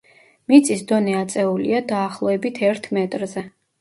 მიწის დონე აწეულია დაახლოებით ერთ მეტრზე.